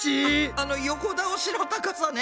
あの横倒しの高さね。